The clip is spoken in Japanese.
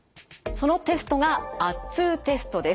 そのテストが圧痛テストです。